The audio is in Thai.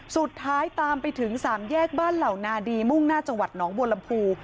สุดท้ายตามไปถึงสามแยกบ้านเหล่านาดีมุ่งหน้าจังหวัดหนองบัวลำพู